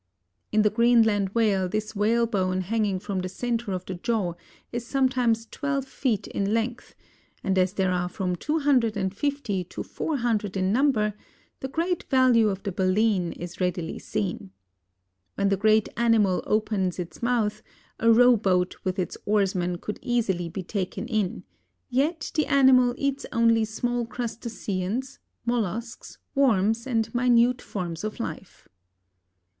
In the Greenland Whale this whalebone hanging from the center of the jaw is sometimes twelve feet in length, and as there are from two hundred and fifty to four hundred in number, the great value of the baleen is readily seen. When the great animal opens its mouth, a row boat with its oarsmen could easily be taken in, yet the animal eats only small crustaceans, mollusks, worms and minute forms of life.